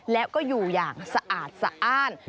แล้วก็อยู่อย่างสะอาดสะอ้าน